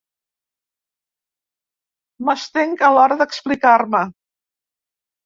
M'estenc a l'hora d'explicar-me.